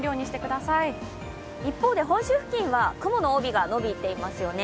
一方、本州付近は雲の帯が伸びていますよね。